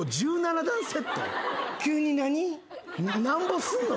何ぼすんの？